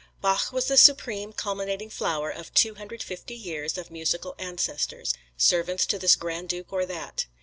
Bach was the supreme culminating flower of two hundred fifty years of musical ancestors servants to this Grand Duke or that.